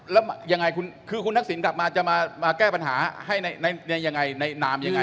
แล้วยังไงคือคุณทักษิณกลับมาจะมาแก้ปัญหาให้ยังไงในนามยังไง